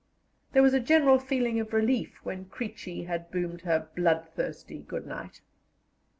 There was a general feeling of relief when "Creechy" had boomed her bloodthirsty "Good night."